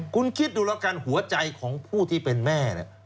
คุณคิดดูแล้วกันหัวใจของผู้ที่เป็นแม่เนี่ย